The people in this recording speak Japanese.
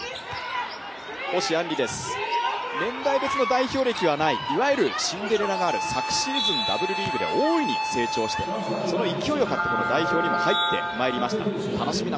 星杏璃年代別の代表歴はないいわゆるシンデレラガール昨シーズンＷリーグで大いに成長をして、その勢いで代表にも入ってきました。